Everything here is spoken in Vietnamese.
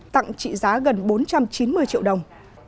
tặng trị giá gần bốn trăm chín mươi triệu đồng